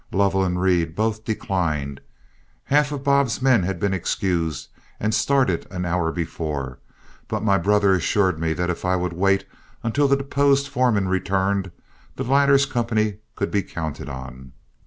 Lovell and Reed both declined; half of Bob's men had been excused and started an hour before, but my brother assured me that if I would wait until the deposed foreman returned, the latter's company could be counted on.